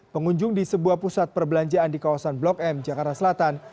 pengunjung di sebuah pusat perbelanjaan di kawasan blok m jakarta selatan